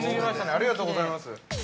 ありがとうございます。